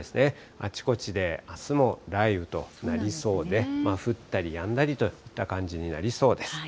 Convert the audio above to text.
あちこちであすも雷雨となりそうで、降ったりやんだりといった感じになりそうです。